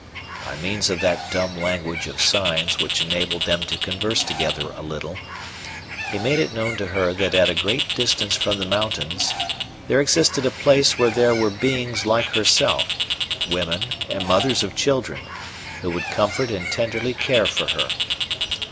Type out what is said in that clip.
By means of that dumb language of signs which enabled them to converse together a little, he made it known to her that at a great distance from the mountains there existed a place where there were beings like herself, women, and mothers of children, who would comfort and tenderly care for her.